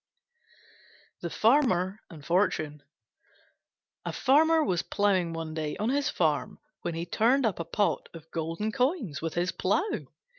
THE FARMER AND FORTUNE A Farmer was ploughing one day on his farm when he turned up a pot of golden coins with his plough.